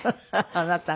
あなたが？